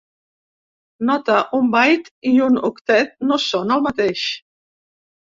Nota: Un "byte" i un octet no són el mateix.